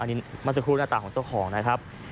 อันนี้มาสคู่หน้าต้างของเจ้าของนะครับ